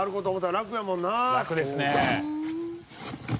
「楽ですね！」